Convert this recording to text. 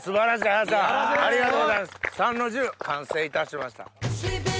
参の重完成いたしました。